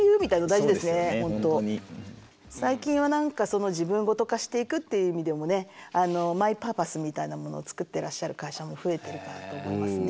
最近は何かその自分ゴト化していくっていう意味でもねマイパーパスみたいなものを作ってらっしゃる会社も増えてるかなと思いますね。